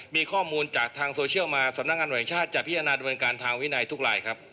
มีข้อมูลจากทางโซเชียลมาสำนักงานแห่งชาติจะพิจารณาดำเนินการทางวินัยทุกรายครับ